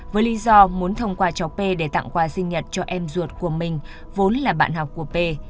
với lý do muốn thông qua cháu p để tặng quà sinh nhật cho em ruột của mình vốn là bạn học của p